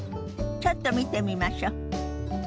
ちょっと見てみましょ。